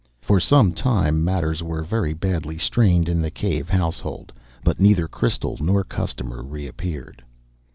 For some time matters were very badly strained in the Cave household, but neither crystal nor customer reappeared.